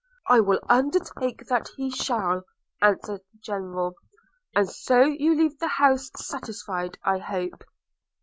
'I will undertake that he shall,' answered the General; 'and so you leave the house satisfied, I hope?'